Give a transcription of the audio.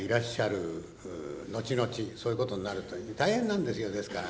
後々そういうことになると大変なんですよですから。